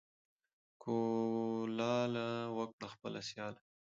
ـ کولاله وکړه خپله سياله وکړه.